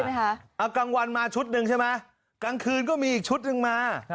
ไหมคะเอากลางวันมาชุดหนึ่งใช่ไหมกลางคืนก็มีอีกชุดหนึ่งมา